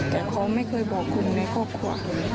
แต่เขาไม่เคยบอกคุณหนูในครอบครัวเลย